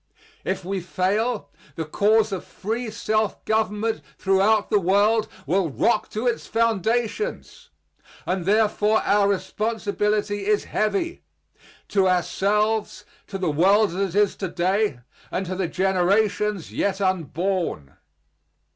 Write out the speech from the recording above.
If we fail, the cause of free self government throughout the world will rock to its foundations, and therefore our responsibility is heavy, to ourselves, to the world as it is to day, and to the generations yet unborn.